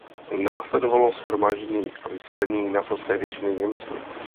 Následovalo shromáždění a vysídlení naprosté většiny Němců.